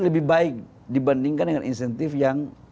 lebih baik dibandingkan dengan insentif yang